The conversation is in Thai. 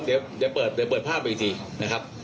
เดี๋ยวเปิดภาพไปอีกทีนะครับ